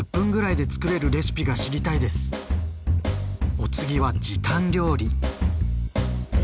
お次は時短料理。